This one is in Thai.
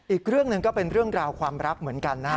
อีกเรื่องหนึ่งก็เป็นเรื่องราวความรักเหมือนกันนะฮะ